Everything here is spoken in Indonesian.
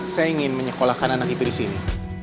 saya ingin menyekolahkan anak ibu disini